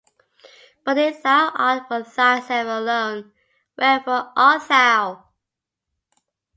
But if thou art for thyself alone, wherefore art thou'?